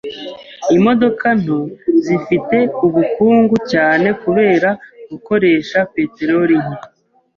Imodoka nto zifite ubukungu cyane kubera gukoresha peteroli nke.